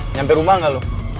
nyampe rumah gak lo